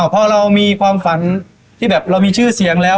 พอเรามีความฝันที่แบบเรามีชื่อเสียงแล้ว